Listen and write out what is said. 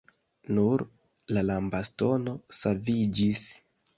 Nur la lambastono saviĝis.